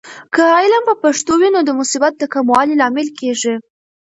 که علم په پښتو وي، نو د مصیبت د کموالي لامل کیږي.